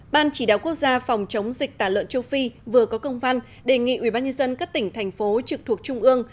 ban chỉ đạo quốc gia phòng chống dịch tả lợn châu phi vừa có công văn đề nghị ubnd các tỉnh thành phố trực thuộc trung ương